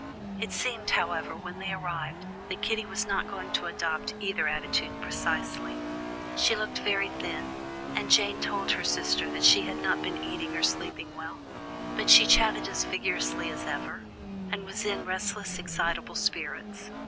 It seemed, however, when they arrived, that Kitty was not going to adopt either attitude precisely. She looked very thin, and Jane told her sister that she had not been eating or sleeping well, but she chatted as vigorously as ever, and was in restless, excitable spirits.